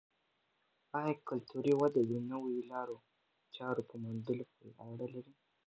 آیا کلتوري وده د نویو لارو چارو په موندلو پورې اړه لري؟